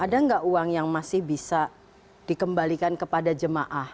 ada nggak uang yang masih bisa dikembalikan kepada jemaah